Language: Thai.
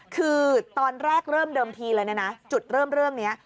คือตอนแรกเริ่มเดิมทีเลยนะจุดเริ่มเรื่องนี้